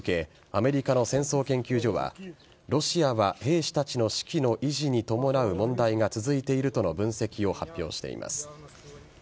アメリカの戦争研究所はロシアは兵士たちの士気の維持に伴う問題が続いているとの分析を発表しています。